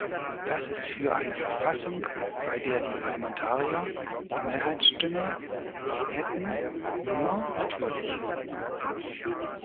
Das ist für eine Verfassung, bei der die Parlamentarier die Mehrheitsstimme hätten, nur natürlich.